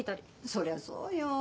そりゃそうよ。